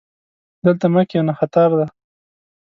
دلته مه کښېنه، خطر لري